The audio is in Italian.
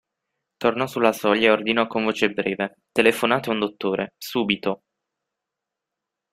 Tornò sulla soglia e ordinò con voce breve: Telefonate a un dottore, subito.